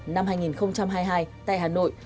năm hai nghìn hai mươi hai tại hà nội